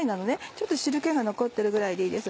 ちょっと汁気が残ってるぐらいでいいです。